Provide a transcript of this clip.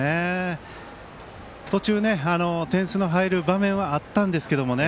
途中、点数の入る場面はあったんですけど